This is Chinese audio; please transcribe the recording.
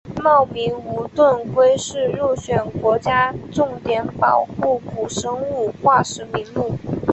茂名无盾龟是入选国家重点保护古生物化石名录。